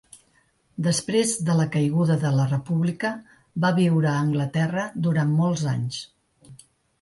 Després de la caiguda de la república, va viure a Anglaterra durant molts anys.